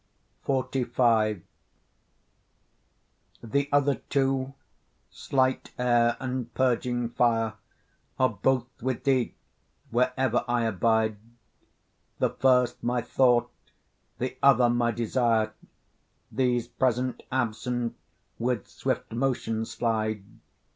XLV The other two, slight air, and purging fire Are both with thee, wherever I abide; The first my thought, the other my desire, These present absent with swift motion slide.